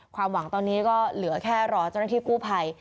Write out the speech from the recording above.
ความหวังตอนนี้ก็เหลือแค่รอเจ้าหน้าที่กู้ภัย